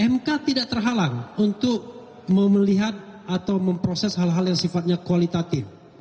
mk tidak terhalang untuk memelihat atau memproses hal hal yang sifatnya kualitatif